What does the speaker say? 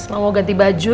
mau ganti baju